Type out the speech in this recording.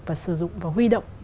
và sử dụng và huy động